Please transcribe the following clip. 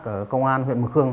của công an huyện mực hương